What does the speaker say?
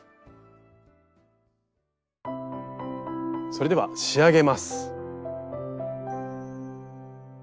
それでは仕上げます。